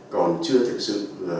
còn chưa thực sự